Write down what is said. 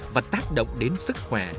và tác động đến sức khỏe